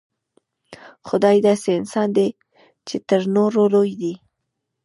خدای داسې انسان دی چې تر نورو لوی دی.